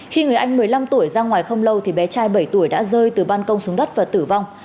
khi người anh một mươi năm tuổi ra ngoài không lâu thì bé trai bảy tuổi đã rơi từ ban công xuống đất và tử vong